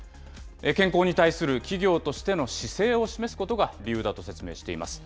健康に対する企業としての姿勢を示すことが理由だと説明しています。